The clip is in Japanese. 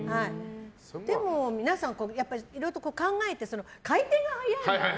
でも皆さん、いろいろと考えて回転が速いのね。